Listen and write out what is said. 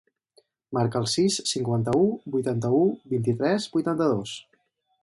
Marca el sis, cinquanta-u, vuitanta-u, vint-i-tres, vuitanta-dos.